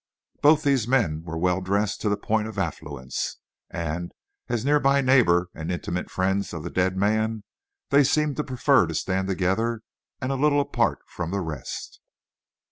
Both these men were well dressed to the point of affluence, and, as near neighbor and intimate friends of the dead man, they seemed to prefer to stand together and a little apart from the rest.